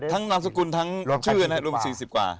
ทั้งรามสกุลทั้งชื่อรวม๔๐กว่า